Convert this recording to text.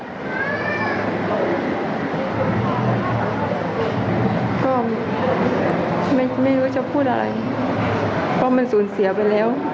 ก็ไม่รู้จะพูดอะไรเพราะมันสูญเสียไปแล้ว